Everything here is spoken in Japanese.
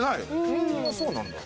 そうなんだ。